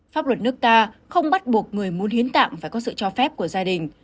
pháp luật nước ta không bắt buộc người muốn hiến tạng phải có sự cho phép của gia đình